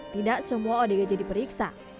tidak semua odgj diperiksa